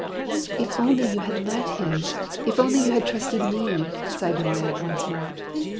"If only you had let him! If only you had trusted me," sighed Moya once more.